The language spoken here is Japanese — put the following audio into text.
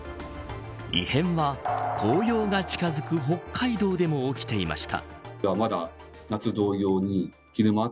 異変は紅葉が近づく北海道でも起きていました。